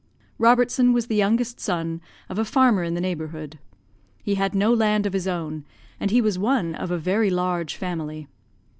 "Robertson was the youngest son of a farmer in the neighbourhood. He had no land of his own, and he was one of a very large family.